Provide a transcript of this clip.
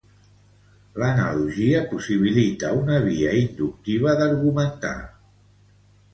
L'analogia possibilita una via inductiva d'argumentar.